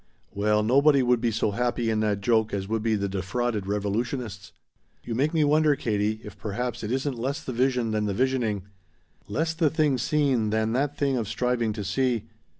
"Well, nobody would be so happy in that joke as would the defrauded revolutionists! "You make me wonder, Katie, if perhaps it isn't less the vision than the visioning. Less the thing seen than that thing of striving to see.